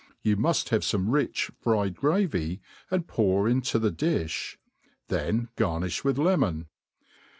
You mufl have fome rich fried gravy, and pour in* to the difh ; then garnifh with lemon.